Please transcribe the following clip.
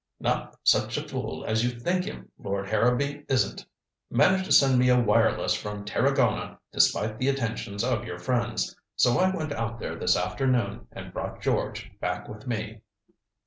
"Not such a fool as you think him, Lord Harrowby isn't. Managed to send me a wireless from Tarragona despite the attentions of your friends. So I went out there this afternoon and brought George back with me."